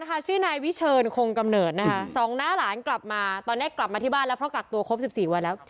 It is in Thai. ชื่อนายวิเชิญคงกำเนิดนะคะสองน้าหลานกลับมาตอนนี้กลับมาที่บ้านแล้วเพราะกักตัวครบ๑๔วันแล้ว